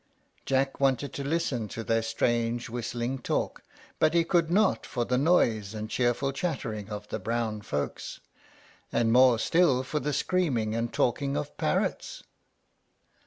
Jack wanted to listen to their strange whistling talk, but he could not for the noise and cheerful chattering of the brown folks, and more still for the screaming and talking of parrots.